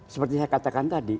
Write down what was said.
seperti saya katakan tadi